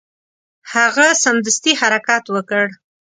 هغه سمدستي حرکت وکړ.